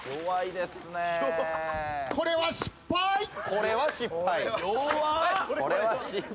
「これは失敗」